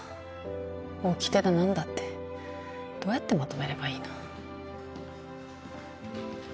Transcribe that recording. おきてだなんだってどうやってまとめればいいの。